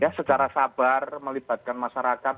ya secara sabar melibatkan masyarakat